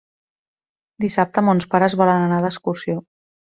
Dissabte mons pares volen anar d'excursió.